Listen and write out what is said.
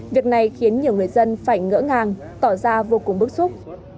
việc này khiến nhiều người dân phải ngỡ ngàng tỏ ra vô cùng bức xúc